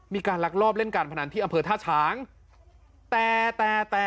ลักลอบเล่นการพนันที่อำเภอท่าฉางแต่แต่